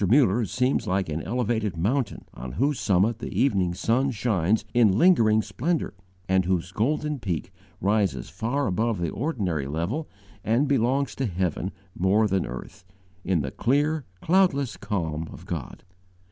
Muller seems like an elevated mountain, on whose summit the evening sun shines in lingering splendour, and whose golden peak rises far above the ordinary level and belongs to heaven more than earth, in the clear, cloudless calm of God.